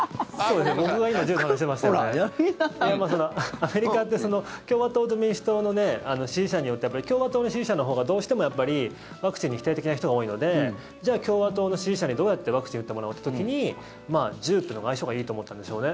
アメリカって共和党と民主党の支持者によって共和党の支持者のほうがどうしてもワクチンに否定的な人が多いのでじゃあ共和党の支持者にどうやってワクチンを打ってもらおうって時に銃っていうのが相性がいいと思ったんでしょうね。